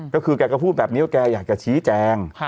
ก็คือแกก็พูดแบบนี้ว่าแกอยากจะชี้แจง